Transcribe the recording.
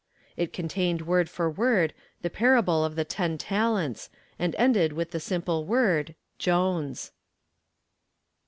It contained word for word the parable of the ten talents and ended with the simple word "Jones."